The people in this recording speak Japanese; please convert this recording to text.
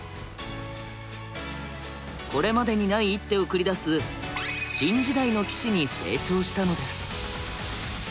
これまでにない一手を繰り出す新時代の棋士に成長したのです。